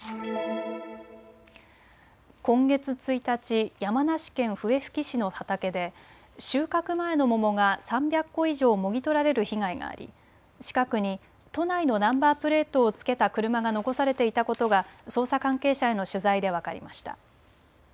今月１日、山梨県笛吹市の畑で収穫前の桃が３００個以上もぎ取られる被害があり近くに都内のナンバープレートを付けた車が残されていたことが捜査関係者への取材で分かりました。